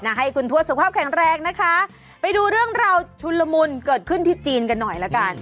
ให้คุณทวดสุขภาพแข็งแรงนะคะไปดูเรื่องราวชุนละมุนเกิดขึ้นที่จีนกันหน่อยละกัน